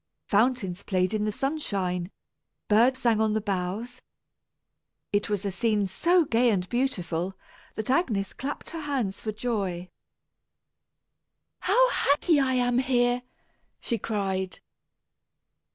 Fountains played in the sunshine, birds sang on the boughs. It was a scene so gay and beautiful, that Agnes clapped her hands for joy. "How happy I am here!" she cried.